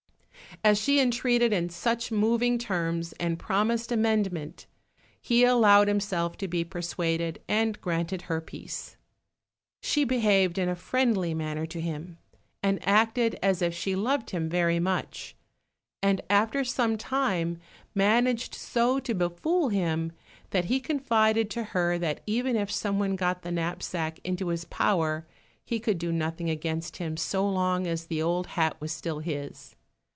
As she entreated in such moving terms, and promised amendment, he allowed himself to be persuaded and granted her peace. She behaved in a friendly manner to him, and acted as if she loved him very much, and after some time managed so to befool him, that he confided to her that even if someone got the knapsack into his power, he could do nothing against him so long as the old hat was still his.